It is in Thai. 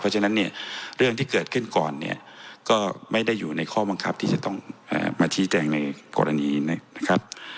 เพราะฉะนั้นเนี่ยเรื่องที่เกิดขึ้นก่อนเนี่ยก็ไม่ได้อยู่ในข้อบังคับที่จะต้องมาชี้แจงในกรณีนะครับ